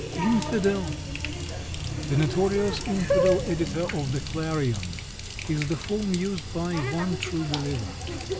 Infidel! "The notorious infidel editor of the Clarion" is the form used by one True Believer.